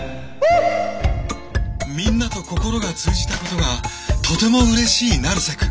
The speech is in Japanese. みんなと心が通じたことがとてもうれしい成瀬くん。